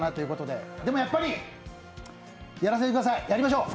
でもやっぱり、やらせてください、やりましょう！